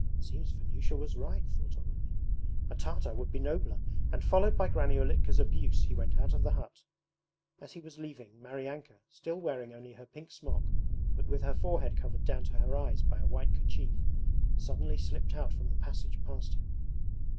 'It seems Vanyusha was right!' thought Olenin. "A Tartar would be nobler",' and followed by Granny Ulitka's abuse he went out of the hut. As he was leaving, Maryanka, still wearing only her pink smock, but with her forehead covered down to her eyes by a white kerchief, suddenly slipped out from the passage past him.